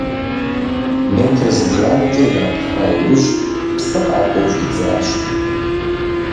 Метр зыбжанэкӏэ иратӏыха иужь, псы къакӏуэу щӏидзащ.